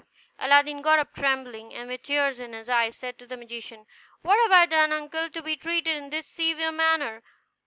Aladdin got up trembling, and, with tears in his eyes, said to the magician: "What have I done, uncle, to be treated in this severe manner?"